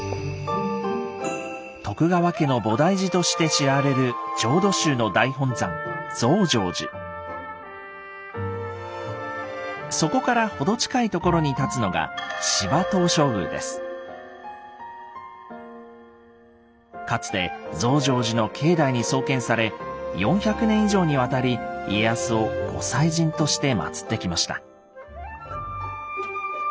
徳川家の菩提寺として知られるそこから程近いところに立つのがかつて増上寺の境内に創建され４００年以上にわたり家康を御祭神としてまつってきました。